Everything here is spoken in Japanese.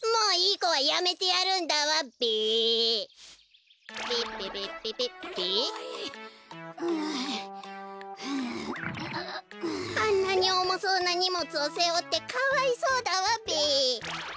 こころのこえあんなにおもそうなにもつをせおってかわいそうだわべ。